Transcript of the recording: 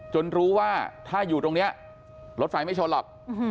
รู้ว่าถ้าอยู่ตรงนี้รถไฟไม่ชนหรอก